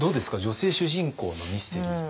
女性主人公のミステリー。